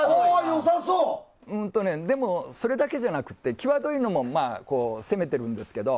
良さそうそれだけじゃなくて際どいのも攻めているんですけど